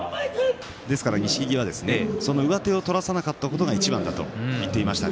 ですから錦木は、その上手を取らせなかったことがいちばんだったと話していました。